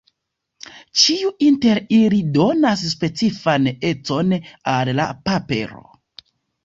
Ĉiu inter ili donas specifan econ al la papero.